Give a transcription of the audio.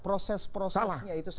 proses prosesnya itu salah